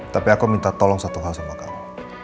tapi aku minta tolong satu hal sama kamu